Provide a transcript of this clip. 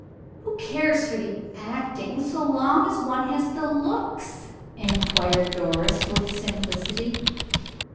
"Who cares for the acting, so long as one has the looks?" inquired Doris, with simplicity.